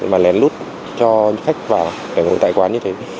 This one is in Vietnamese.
mà lén lút cho khách vào để ngủ tại quán như thế